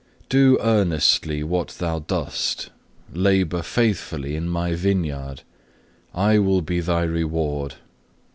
2. "Do earnestly what thou dost; labour faithfully in My vineyard; I will be thy reward.